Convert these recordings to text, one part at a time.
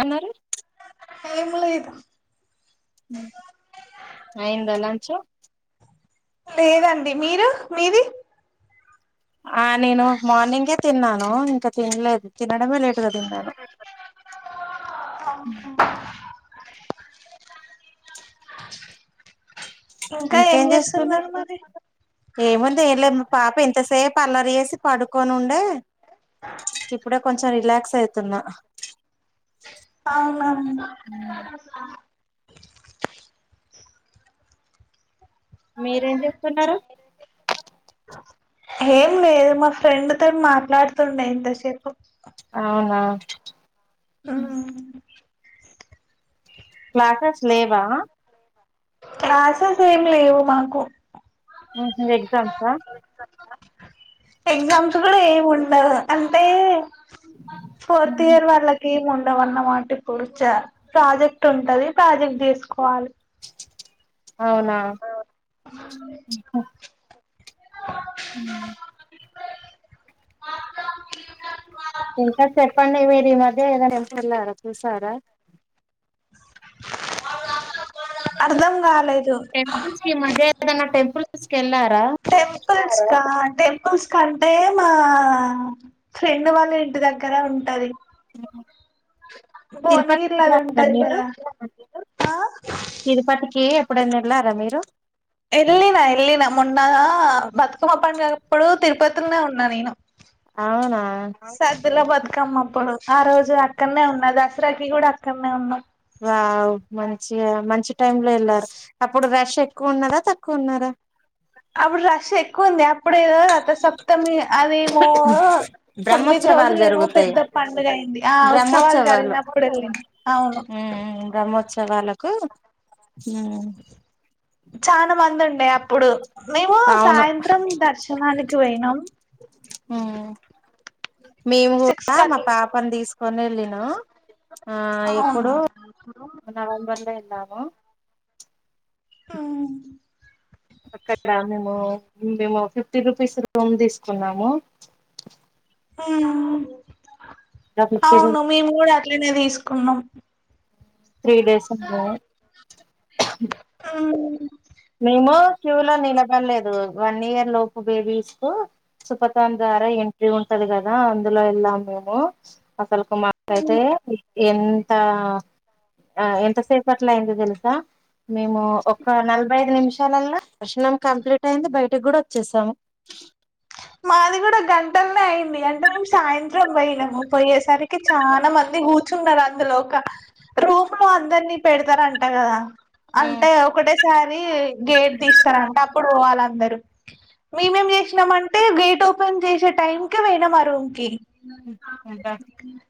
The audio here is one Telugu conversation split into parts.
అన్నారు ఏం లేదు ఉమ్ అయిందా లంచు లేదండి మీరు మీది ఆ నేను మార్నింగే తిన్నాను ఇంకా తిన్లేదు తినడమే లేట్ అమ్ ఇంకా ఏం ఇంకేం చేస్తున్నారు జేసున్నరు మరి ఏముంది ఏం లే మా పాప ఇంతసేపు అల్లరి జేసి పడుకోని ఉండే ఇప్పుడే కొంచెం రిలాక్స్ అయితున అవున మీరేం జేస్తున్నరు ఏం లేదు మా ఫ్రెండ్ తోని మాట్లాడుతుండే ఇంతసేపు అవునా ఊమ్ క్లాసస్ లేవా క్లాసెస్ ఏం లేవు మాకు ఊహు్ ఎగ్జామ్సా ఎగ్జామ్స్ గూడా ఏమి ఉండదు అంటే ఫోర్త్ ఇయర్ వాళ్లాకి ఏమున్ గవన్న మాట ఇప్పుడు చ ప్రాజెక్ట్ ఉంటది ప్రాజెక్ట్ జేస్కోవాలి అవునా ఊహు ఊ ఇంకా చెప్పండి మీరు ఈ మధ్య ఏదైనా ఎళ్తే ఎల్లారా చూసారా అర్దం గాలే టెంపుల్స్కీ ఈ మధ్య ఏదనా టెంపుల్స్కెళారా స్కా టెంపుల్స్ కంటే మా ఫ్రెండ్ వాళ్ళ ఇంటి దగ్గర ఉంటది తిరుపతి భోన్గిరిలా వెళ్ళారా అందుంటది మీరు గదా తిరుపతికి ఎప్పుడైనా ఎళ్ళరా మీరు ఎళ్ళిన ఎళ్ళిన మొన్న బతుకమ్మ పండుగ అప్పుడు తిరుపతిలనే ఉన్నా నేను అవునా సద్దులబత్కమ్మ అప్పుడు ఆ రోజు అక్కడ్నే ఉన్న దసరాకి గూడా అక్కడ్నే ఉన్నం వావ్ మంచిగ మంచి టైం లో ఎళ్ళారు అప్పుడు రష్ ఎక్కువున్నదా తక్కువున్నారా అప్పుడు రష్ ఎక్కువుంది అప్పుడేదో రథసప్తమి అదేమో తొమ్మిది బ్రహ్మోత్సవాలు రోజులు ఏమో జరుగుతాయి పెద్ద పండుగయింది ఆ ఉత్సవాలు బ్రహ్మోత్సవాలు జరిగినప్పుడు వెళ్లిన్ అవును ఉమ్ బ్రహ్మోత్సవాలకు ఉమ్ చానా మంది ఉండే అప్పుడు మేము అవును సాయంత్రం దర్శనానికి వోయినాం ఉమ్ మేము సిక్స్ గూడా మా కట్ల పాపన్ దీసుకొని వెళ్ళినం ఆ ఎప్పుడు అవును అ నవంబర్ లో ఎల్లాము ఆ అక్కడ మేము మేము ఫిఫ్టీ రూపీస్ రూమ్ తీసుకున్నాము ఉమ్ ఫిఫ్టీ రూ అవును మేము గూడా అట్లనే తీసుకున్నాం త్రీ డేస్ అట్ల మేము క్యూ లో నిలబడలేదు వన్ ఇయర్ లోపు బేబీస్కూ సుపతన్ ద్వారా ఎంట్రీ ఉంటది గదా అందులో ఎళ్ళాం మేము అసల్కు మాకైతే ఎన్ తా ఆ ఎంతసేపు అట్లైంది దెల్సా మేము ఒక నల్ ఇరవై ఐదు నిమిషాలల్ల దర్శనం కంప్లీట్ అయింది బైటి గూడా వొచ్చేసాము మాది గూడా గంటల్నే అయింది అంటే మేము సాయంత్రం బోయినము పోయేసరికి చానా మం మీరు కూర్చున్నారా అందులోక రూమ్ లో అందర్నీ పెడతారంట గదా అంటే ఒకటేస సారి గేట్ తెస్తారట అప్పుడు పోవాలందరు మేమేం జేష్నామంటే టే గేట్ ఓపెన్ జేశే టైంకే పోయిన మా రూమ్ కి అబ్బా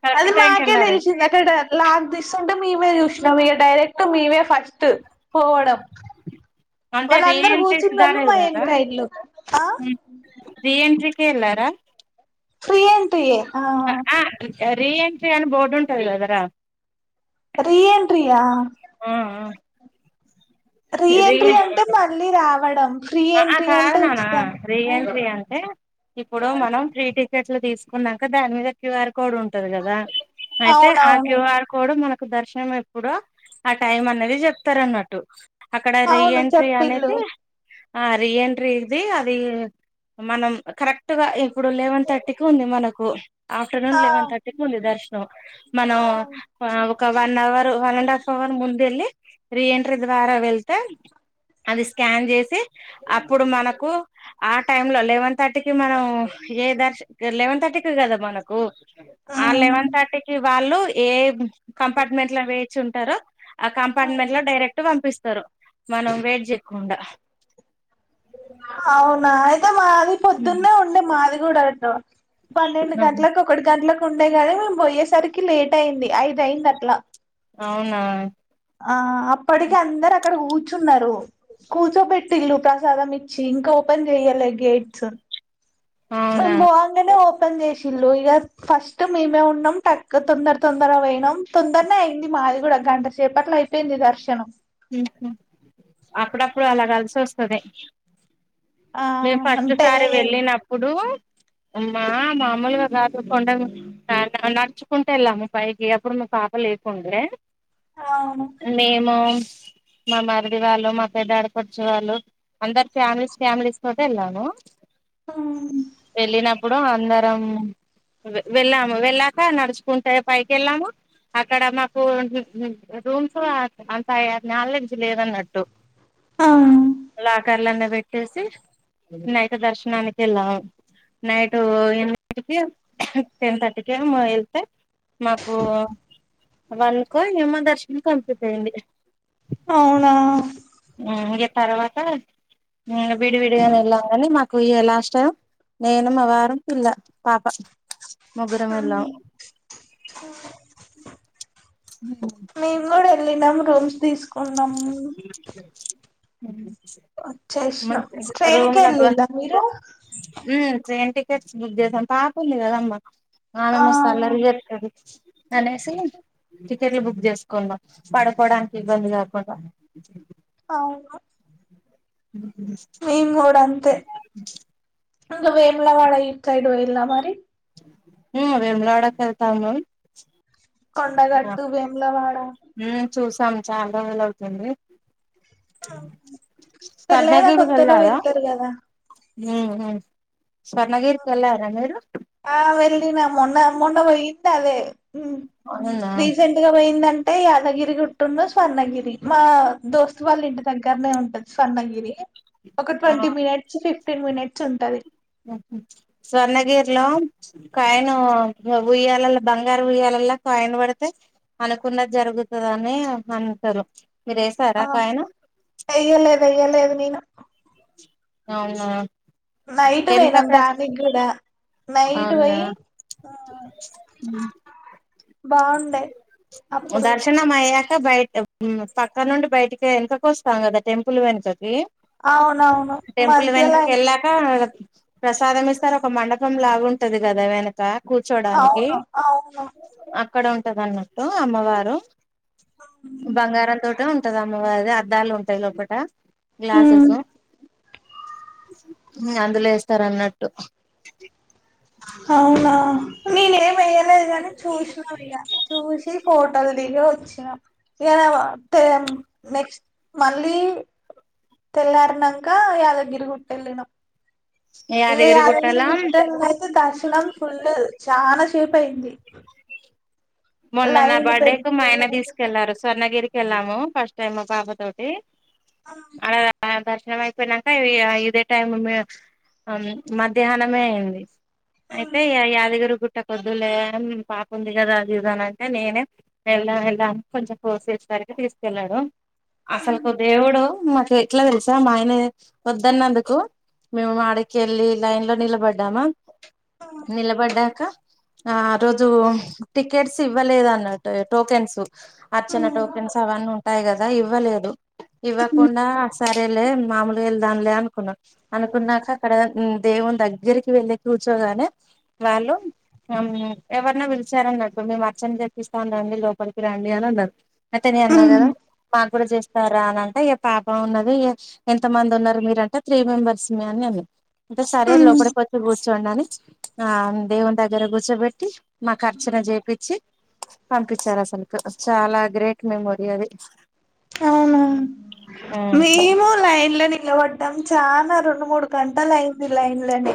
కరెక్ట్ అది టైం కి మాకే వెళ్ళారు అయితే దెల్శింది లాక్ దీస్తూంటే మేమే చూసినం ఇగ డైరెక్ట్ మేమే ఫస్ట్ పోవడం అంటే రీ వాళ్ళందరు ఎంట్రీస్ కూర్చున్నోళ్ళు మా దారేలరా వెనకయిల్లు ఆ రీ ఎంట్రీ కె వెళ్ళారా దా ఫ్రీ ఎంట్రీ యే రీ ఎంట్రీ అని బోర్డు ఉంటది కదరా రీ ఎంట్రీ యా ఆ రీ ఎంట్రీ అంటే మళ్ళీ రావడం ఫ్రీ అ ఆ ఎంట్రీ కాదు అంటే నాన్న రీ ఉచితంగా ఎంట్రీ అంటే ఇప్పుడు మనం ఫ్రీ టికెట్ ట్లు తీసుకున్నాక దాని మీద క్యూ ఆర్ కోడ్ ఉంటది కదా అయితే ఆ అవునవును క్యూ ఆర్ కోడ్ మన కు దర్శనం ఎప్పుడో ఆ టైం అన్నది జెప్తారన్నట్టు అక్కడ రీ అవును ఎంట్రీ చెప్పిల్లు అనేది ఆ రీ ఎంట్రీ ఇది అదీ మనం కరెక్ట్ గా ఇప్పుడు లెవెన్ థర్టీకి ఉంది మనకు ఆఫ్టర్నూన్ ఆ లెవెన్ థర్టీకి ఉంది దర్శనం మనం ఆ ఒక one hour one and half hour ముందెళ్ళీ రీ ఎంట్రీ ద్వారా వెళ్తే అది స్కాన్ జేసి అప్పుడు మనకు ఆ టైమ్ లో లెవెన్ థర్టీకిి మనం ఏ దర్శన్కి లెవెన్ థర్టీకి కద మనకు ఆ లెవెన్ థర్టీకి వాళ్ళు ఏ కంపార్ట్మెంట్ లో వేచి ఉంటరో ఆ కంపార్ట్మెంట్ లో డైరెక్ట్ వంపిస్తారు మనం వేట్ చెయ్యకుండా అవునా మాది హుమ్ పొద్దున్నే ఉండే మాది కూడా ఉంటా పన్నెండు గంటలకు ఒకటి గంటలకు ఉండే గానీ మేం బోయేసరికి లేటైంది ఐదైంది అట్లా అవునా ఆ అప్పటికి అందరు అక్కడ కూర్చ్ ర్చున్నారు కూర్చోబెట్టిల్లు ప్రసాదం ఇచ్చి ఇంకా ఓపెన్ జెయ్యలే గేట్స్ మేం అవునా బొంగానే పెన్ జేశిల్లు ఇగ ఫస్ట్ మేమే ఉన్నాం టక్ తొందర తొందర అయినాం తొందర్నే అయింది మాది గూడా గంటసేపట్ల అయిపేయింది దర్శనం అప్పుడప్పుడు అలా కలిసివస్తది ఆ మేం ఫస్ట్ అంటే సారి వెళ్ళినప్పుడు మా మాములుగ గాదు కొండ నడుచుకుంటేళ్ళాము పైకి అప్పుడు మా పాపలేదు కుండే అవును మేము మా మరిది వాళ్ళు మా పెద్ద ఆడపడ్చు వాళ్ళు అందరు ఫ్యామిలీస్ ఫ్యామిలీస్ తోటి వెళ్ళాము అమ్ ఇప్పుడు అందరం వెళ్ళాము వెళ్ళాక నడుచుకుంటే పైకి వెళ్లమా అక్కడ మాకు రూమ్స్ అంత నాలెడ్జ్ లేదన్నట్టు ఆ లాకర్లంల వెట్టేసి నైట్ దర్శనానికెళ్ళాం నైట్ ఎనిమి దిట్కి టెన్ థర్టీకేమో ఎళ్తే మాకు వన్కో ఏమో దర్శనం కంప్లీట్ అయింది అవునా ఇగ తర్వాత విడివిడిగ వెళ్దాం కాని మాకు ఇ లాస్ట్ నేను మావారు పిల్ల పాప ముగ్గురం వెళ్ళాం ఆహ్ మేము కూడ వెళ్ళినము రూమ్స్ తీసుకున్నాము అచ్చేసిన ట్రైన్ కెళ్ళిన్ లా మీరు ఊ ట్రైన్ టికెట్స్ బుక్ చేసం పాప ఉంది కదమ్మా ఆమె ఆ మస్త అల్లరి జెతది అనేసి టికెట్లు బుక్ చేసుకున్నాం పడుకోడానికి ఇబ్బంది కాకుండా అవున ఇంగ వేములవాడ గిటు సైడు పోయిల్లా మరి ఊ వేమ్లాడకెళ్తాము కొండగట్టు వేములవాడ ఉమ్ చూసాం చాలా రోజులు అవుతుంది పెళ్లయినా కొత్తలో వెళ్తారు కదా ఊహు ఆ వెళ్లిన మొన్న మొన్న పోయిందందే ఉ అవునా రీసెంట్గా పోయిందం టే యాదగిరి గుట్టును స్వర్ణగిరి మా దోస్తు వాళ్ళ ఇంటి దగ్గరనే ఉంటది స్వర్ణగిరి ఒక ట్వంటీ మినిట్స్ ఫిఫ్టీన్ మినిట్స్ ఉంటది స్వర్ణగిరిలో ఒకాయన ఉయ్యాలలో బంగారి ఉయ్యా ల్లా కాయిన్ పడితే అనుకున్నది జరుగుతది అని అంటరు అ వెయ్యలేదు వెయ్యలేదు నేను అవునా నైట్ ఎంత పోయినాం ప్రచ్ దానికి కూడా నైట్ అవునా పోయి ఆ ఊ బాగుండే అప్పుడు దర్శనమయ్య క బయట ఊ పక్క నుండి బయటికి వెనకకు వస్తాం కదా టెంపుల్ వెనకకి అవునవును టెంపుల్ మధ్యలో వెనకకకేళ్ళాక ప్రసాదం ఇస్తారు ఒక మండపం లాగుంటది కదా వెనక కూర్చోడానికి అవును అవును అ అక్కడ ఉంటది అన్నట్టు అమ్మవారు బంగారం తోటో ఉ టది అమ్మవారిది అద్దాలు ఉంటాయి లోపట గ్లాసెసు అందులో వేస్తరు అన్నట్టు అవునా నేనేమి వెయ్యలేదు కాని చూసినం ఇగ చూసి ఫోటోల్ దిగి వచ్చినం ఇగ మేము పేం నెక్స్ట్ మళ్ళీ తెల్లారినంక యాదగిరి గుట్ట ఎళ్ళినం ఇగ యాదగిరి గుట్టలనయితే దర్శనం ఫుల్లు చాన సేప్ అయింది మొన్న నా లైన్ బర్త్డే కు మా పెద్ద ఆయన లైన్ తీసుకెళ్లారు స్వర్ణగిరికి వెళ్ళాము ఫస్ట్ టైమ్ మ పాప తోటి ఆడ అపారు న్నం అయిపోయినంక ఇగ ఇదే టైమ్ మె అ మధ్యాహ్నమే అయింది అయితే ఇగ యాదగిరి గుట్ట కొద్దులే అని పాప ఉంది కదా దిగుతానంటే నేనే వెళ్లాం వెళ్లాం కొంచెం ఫోర్స్చేసేసరికి తీసుకెళ్ళాడు అసలుకు దేవుడు మాకు ఎట్లా తెలుసా మా ఆయనే వద్దన్నందుకు మేము ఆడికెళ్లి లైన్ లో నిలబడ్డామా నిలబడ్డాంక ఆ ఆ రోజు టికెట్స్ ఇవ్వలేదు అన్నట్టు టోకెన్స్ అర్ఛన టోకెన్స్ అవన్నీ ఉంటాయి కదా ఇవ్వలేదు ఇవ్వకుండా సరేలే మామూల్గేల్ దానిలే అనుకున్నాం అనుకున్నాక అక్కడ దేవున్దగ్గరికి వెళ్ళి కూర్చోగానే వాల్ ళ్లు అమ్ ఎవర్నో విల్ పిచ్చారన్నట్డు మేము అర్చన జేప్పిస్తాను రండి లోపలికి రండి అన్నారు అయితే నే అన్నా కదా మాకు కూ చేస్తారా అని అంటే ఏ పాప ఉన్నది ఎంతమందున్నారు మీరంటే త్రీ మెంబెర్స్మీ అని అ అంటే సరే ఉ లోపలికోచ్చి కూర్చోండి అని ఆ దేవుని దగ్గర కూర్చోబెట్టి మా అర్చన చేయిచ్చి పంపించారు అసల్కు చాలా గ్రేట్ మెమొరీ అది అవునా ఆ మేము లైన్లని నిలపడ్డం చానా రెండు మూడు గంటలైంది లైన్లని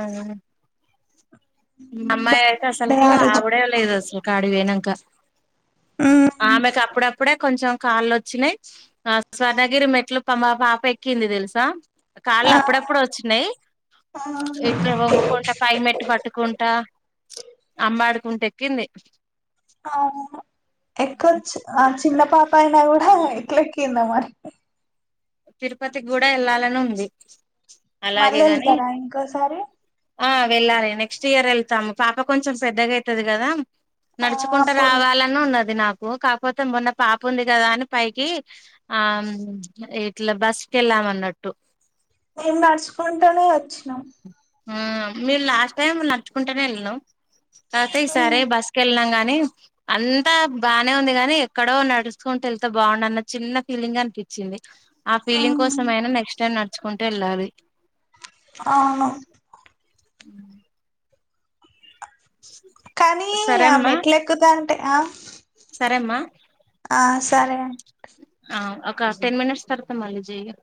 ఆహ్ మా ఆమ్మాయి అయితే బానే ఉండే అసల్కు ఆ రోజు ఆగుడే లేదు అస్సలు ఆడికి పోయినాక ఉమ్ ఆమెకి ఆప్పుడప్పు అప్పుడే కొంచెం కాళ్ళోచ్చినాయి ఆ స్వర్ణగిరి మెట్లు పాపేక్కింది తెల్సా ఆ కాళ్ళప్పుడప్పుడోచ్చినయి ఆ ఇట్లా వంగుకుంట పై మెటు పట్టు పట్టుకుంటా అంబడుకుంటేక్కింది ఎక్కోచ్చు ఆ చిన్న పాపైనా కూడా ఎట్లెక్కిందో మరి తిరుపతికి కూడా వెళ్ళాలని ఉంది అలాగే మళ్ళీ గాని ఏళ్తారా ఇంకోసారి ఆ వెళ్ళాలి నెక్స్టిర్ వెళ్తాము పాప కొంచెం పెద్దగైతది కదా ఆ నడుచుకుంటూ అప్పుడు రావాలనున్నది నాకు కాకపోతే మొన్న పాప ఉంది కదా అని పైకి ఆ ఇట్ల బస్కిళ్లామన్నట్టు మేం నడుచుకుంటానే వచ్చినం ఆ మీము లాస్ట్ టైం నడుచుకుంటేనే వెళ్ళాం కాపోతే ఈసారే ఉమ్ బస్సుకేళ్ళినం గానీ కానీ అంతా బానే ఉంది గాని ఎక్కడో నడుచుకుంటూ వెళ్తే బాగుండన్ని చిన్న ఫీలింగ్ అనిపించింది ఆ ఫీలింగ్ ఉమ్ కోసమైనా నెక్స్ట్ టైం నడుచుకుంటేళ్ళాలి ఆవును ఉహ్ కానీ ఆ సరేమ్మా మెట్టేక్కుతాంటే ఆ సరేమ్మా ఆ సరే అండి ఆ ఒక టెన్మినిట్స్ తర్వాత మళ్ళీ చెయు